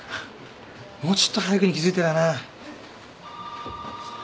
もうちっと早くに気付いてりゃな。